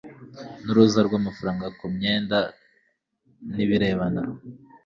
n'uruza rw amafaranga ku myenda ku birebana